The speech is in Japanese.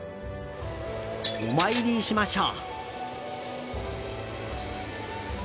お参りしましょう。